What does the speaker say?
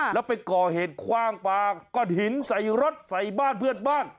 แล้วไปก่อเหตุคว่างปลาก้อนหินใส่รถใส่บ้านเพื่อนบ้าน